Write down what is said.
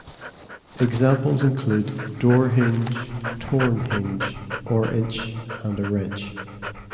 Examples include "door-hinge", "torn hinge", "or inch", and "a wrench".